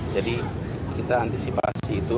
jadi kita antisipasi itu